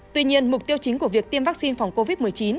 tuy nhiên mục tiêu chính của việc tiêm vaccine phòng covid một mươi chín